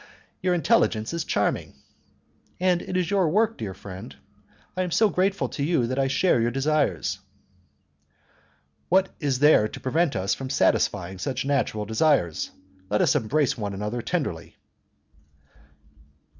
Your intelligence is charming." "It is your work, dear friend; and I am so grateful to you that I share your desires." "What is there to prevent us from satisfying such natural desires? Let us embrace one another tenderly."